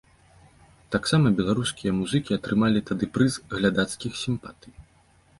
Таксама беларускія музыкі атрымалі тады прыз глядацкіх сімпатый.